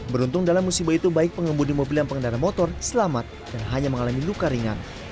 beruntung dalam musibah itu baik pengemudi mobil dan pengendara motor selamat dan hanya mengalami luka ringan